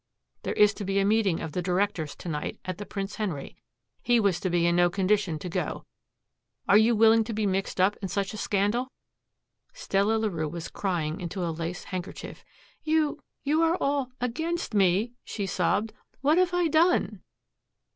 There is to be a meeting of the directors to night at the Prince Henry. He was to be in no condition to go. Are you willing to be mixed up in such a scandal?" Stella Larue was crying into a lace handkerchief. "You you are all against me," she sobbed. "What have I done?"